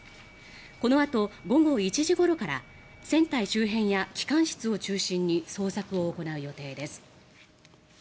このあと午後１時ごろから船体周辺や機関室を中心に捜索を行う予定です。